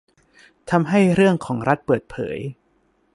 ทำให้เรื่องของรัฐเปิดเผย